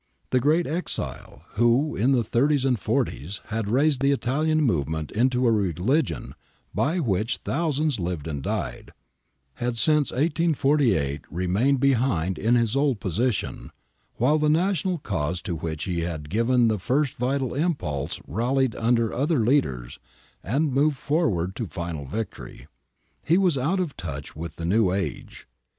The great exile, who in the 'thirties and 'forties had raised the Italian movement into a religion by which thousands lived and died, had since 1848 remained behind in his old position, while the national cause to which he had given the first vital impulse rallied under other leaders and moved forward to final victory. He was out of touch with the new age.